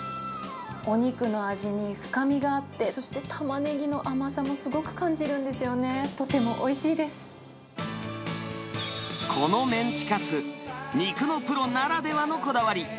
お肉の味に深みがあって、そしてタマネギの甘さもすごく感じるんこのメンチカツ、肉のプロならではのこだわり。